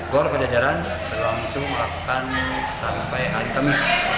gor pajajaran berlangsung akan sampai antemis